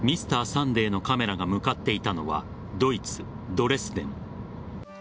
「Ｍｒ．サンデー」のカメラが向かっていたのはドイツ・ドレスデン。